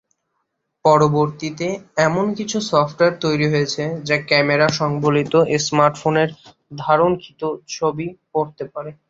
পরবর্তীতে এমন কিছু সফটওয়ার তৈরি হয়েছে যা ক্যামেরা সংবলিত স্মার্টফোনের ধারণকৃত ছবি পড়তে পারে।